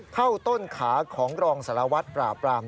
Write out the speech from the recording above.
เข้าต้นขาของรองสารวัตรปราบราม